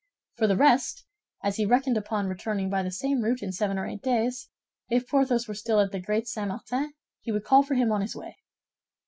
For the rest, as he reckoned upon returning by the same route in seven or eight days, if Porthos were still at the Great St. Martin, he would call for him on his way.